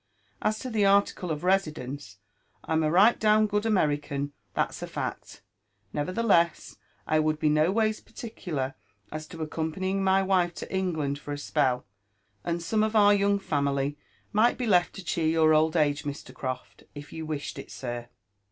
As to the article of residence, I'm a right down good American, that's a fact : nevertheless, I would be no ways particular as to accompanying my wife to England for a spell ; and some of our young family might be left to cheer your old age, Mr. Croft, if you wished it, sir.